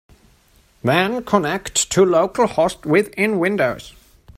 Then connect to localhost within Windows.